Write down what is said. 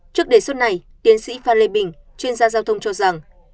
trước đề xuất này tiến sĩ phan lê bình chuyên gia giao thông cho rằng